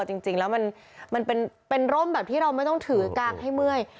ทั้งตัวจริงมันเป็นร่มแบบที่เราไม่ต้องถือกากให้เมื่อย